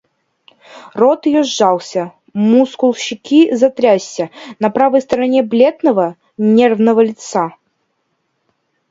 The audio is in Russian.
Рот ее сжался, мускул щеки затрясся на правой стороне бледного, нервного лица.